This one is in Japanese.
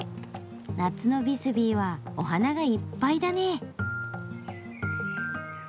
夏のビスビーはお花がいっぱいだね。